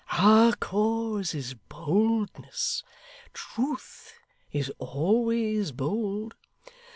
'Our cause is boldness. Truth is always bold.